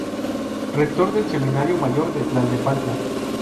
Rector del Seminario mayor de Tlalnepantla.